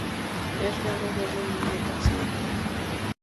Es raro verlo en Europa occidental.